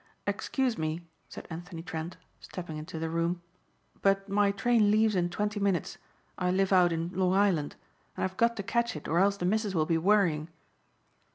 "Excuse me," said Anthony Trent, stepping into the room, "but my train leaves in twenty minutes I live out in Long Island and I've got to catch it or else the missus will be worrying."